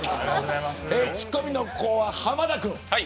ツッコミの子は浜田君。